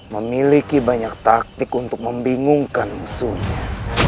memiliki banyak taktik untuk membingungkan musuhnya